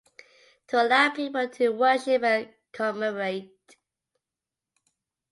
To allow people to worship and commemorate.